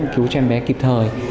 cứu cho em bé kịp thời